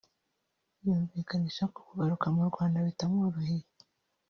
yumvikanisha ko kugaruka mu Rwanda bitamworohera